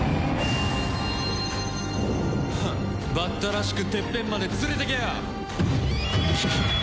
フッバッタらしくテッペンまで連れてけよ！